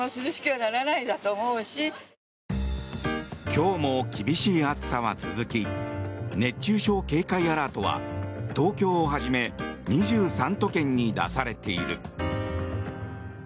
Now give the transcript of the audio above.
今日も厳しい暑さは続き熱中症警戒アラートは東京をはじめ２３都県に出されている。